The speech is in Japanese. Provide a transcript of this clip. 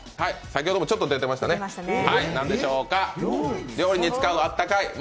先ほどもちょっと出てましたね、何でしょうか、料理に使うあったかい